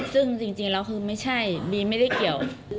ซึ่งจริงแล้วคือไม่ใช่บีไม่ได้เกี่ยว